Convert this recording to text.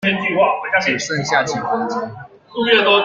只剩下幾分鐘